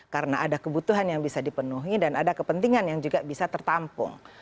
karena ada kebutuhan yang bisa dipenuhi dan ada kepentingan yang juga bisa tertampung